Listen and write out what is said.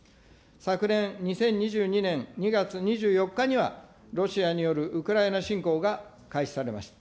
昨年２０２２年２月２４日には、ロシアによるウクライナ侵攻が開始されました。